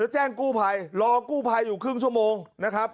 แจ้งกู้ภัยรอกู้ภัยอยู่ครึ่งชั่วโมงนะครับ